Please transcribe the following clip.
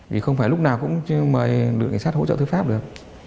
vì không phải lúc nào cũng chứ mà được cảnh sát hỗ trợ thứ pháp được